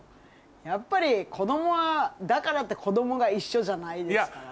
やっぱり子供はだからって子供が一緒じゃないですからね。